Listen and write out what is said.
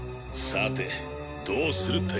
さてどうする？